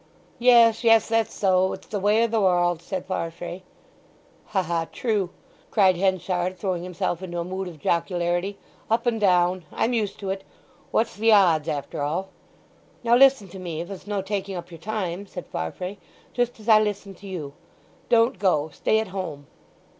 "Yes, yes; that's so! It's the way o' the warrld," said Farfrae. "Ha, ha, true!" cried Henchard, throwing himself into a mood of jocularity. "Up and down! I'm used to it. What's the odds after all!" "Now listen to me, if it's no taking up your time," said Farfrae, "just as I listened to you. Don't go. Stay at home."